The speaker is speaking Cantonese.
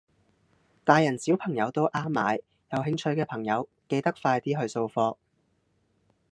大人小朋友都啱買，有興趣嘅朋友記得快啲去掃貨